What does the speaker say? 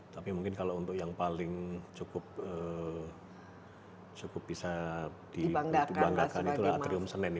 tapi mungkin kalau untuk yang paling cukup bisa dibanggakan itulah atrium senen